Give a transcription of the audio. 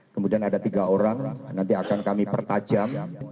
kemudian ada tiga orang nanti akan kami pertajam